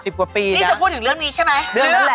สิบกว่าปีนะนี่จะพูดถึงเรื่องนี้ใช่ไหม